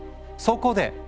そこで！